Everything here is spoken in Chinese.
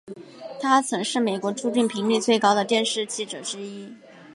他曾是美国出境频率最高的电视记者之一。